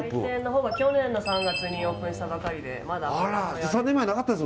去年の３月にオープンしたばかりで。